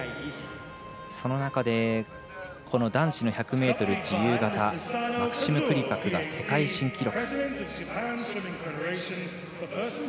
その中で、この男子の１００ｍ自由形マクシム・クリパクが世界新記録。